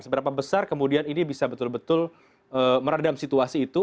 seberapa besar kemudian ini bisa betul betul meredam situasi itu